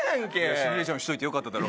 シミュレーションしといてよかっただろ？